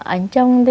anh chồng thì